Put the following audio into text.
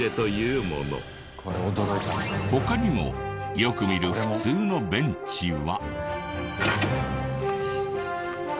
他にもよく見る普通のベンチは。